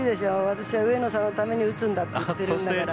私は上野さんのために打つんだと言っているんだから。